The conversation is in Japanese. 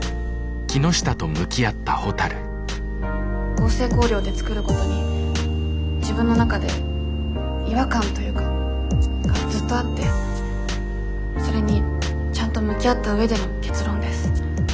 合成香料で作ることに自分の中で違和感というかがずっとあってそれにちゃんと向き合った上での結論です。